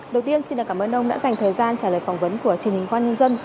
đầu tiên xin cảm ơn ông đã dành thời gian trả lời phỏng vấn của truyền hình công an nhân dân